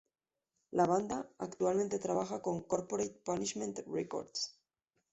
La banda actualmente trabaja con Corporate Punishment Records.